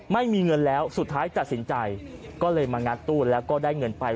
ไม่มีเงินแล้วสุดท้ายตัดสินใจก็เลยมางัดตู้แล้วก็ได้เงินไป